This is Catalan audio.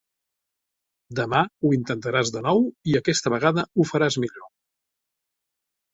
Demà ho intentaràs de nou i aquesta vegada ho faràs millor.